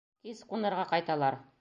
Кис ҡунырға ҡайталар.